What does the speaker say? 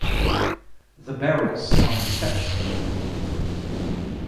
The barrels are detachable.